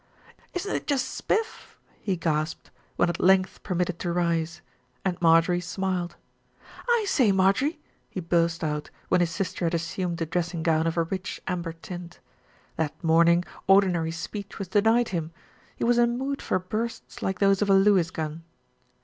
"Isn't it just spif ?" he gasped, when at length per mitted to rise, and Marjorie smiled. "I say, Marjie," he burst out, when his sister had assumed a dressing gown of a rich amber tint. That morning ordinary speech was denied him. He was in a mood for bursts like those of a Lewis gun.